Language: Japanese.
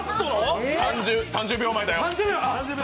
３０秒前だよ。